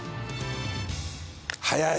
早い。